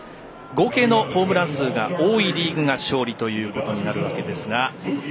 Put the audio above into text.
合計のホームラン数が多いリーグが勝利となるわけですが。